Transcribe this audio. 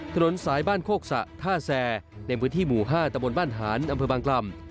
ถนนสายบ้านโคกสะท่าแซในพื้นที่หมู่๕ตะบนบ้านหานอำเภอบางกล่ำ